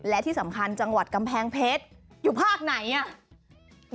และที่สำคัญจังหวัดกำแพงเพชรอยู่ภาคไหนอ่ะ